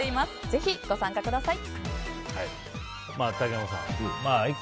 ぜひご参加ください。